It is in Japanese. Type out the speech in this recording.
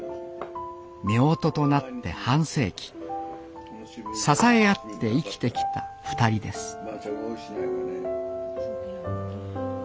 めおととなって半世紀支え合って生きてきた２人です